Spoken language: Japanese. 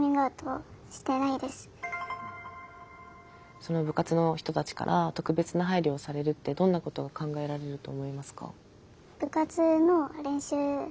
その部活の人たちから特別な配慮をされるってどんなことが考えられると思いますか？